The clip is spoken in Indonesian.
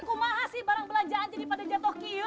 kumaha sih barang belanjaan jadi pada jatuh kiyo